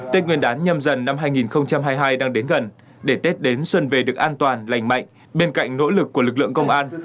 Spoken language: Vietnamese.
tết nguyên đán nhâm dần năm hai nghìn hai mươi hai đang đến gần để tết đến xuân về được an toàn lành mạnh bên cạnh nỗ lực của lực lượng công an